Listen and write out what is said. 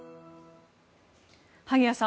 萩谷さん